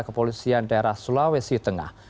kepolisian daerah sulawesi tengah